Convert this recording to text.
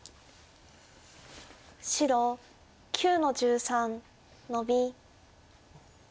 白９の十三ノビ。